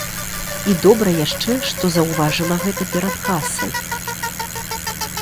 І добра яшчэ, што заўважыла гэта перад касай.